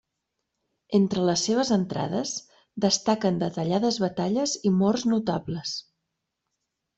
Entre les seves entrades, destaquen detallades batalles i morts notables.